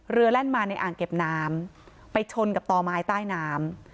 แล่นมาในอ่างเก็บน้ำไปชนกับต่อไม้ใต้น้ำ